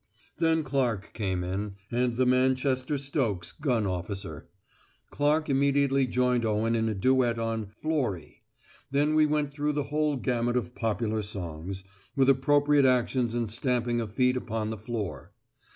Then Clark came in, and the Manchester Stokes gun officer. Clark immediately joined Owen in a duet on "Florrie." Then we went through the whole gamut of popular songs, with appropriate actions and stamping of feet upon the floor.